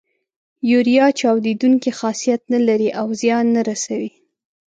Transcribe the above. یوریا چاودیدونکی خاصیت نه لري او زیان نه رسوي.